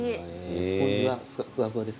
スポンジはふわふわですか？